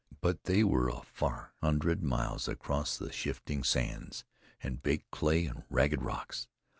But they were a far hundred miles across the shifting sands, and baked day, and ragged rocks.